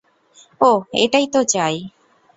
ওহ, এটাই তো চাই।